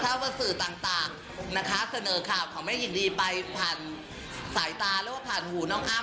ถ้าว่าสื่อต่างนะคะเสนอข่าวของแม่ยินดีไปผ่านสายตาหรือว่าผ่านหูน้องอ้ำ